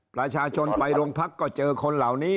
ประชาชนไปโรงพักก็เจอคนเหล่านี้